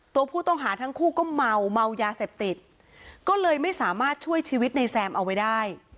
ตัวผู้ต้องหาทั้งคู่ก็เมาเมายาเสพติดก็เลยไม่สามารถช่วยชีวิตในแซมเอาไว้ได้